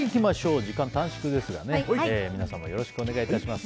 時間短縮ですが皆様よろしくお願いします。